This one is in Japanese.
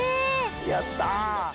やった！